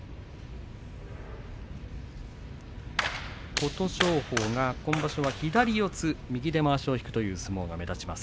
琴勝峰が今場所は左四つ右でまわしを引くという相撲が目立ちます。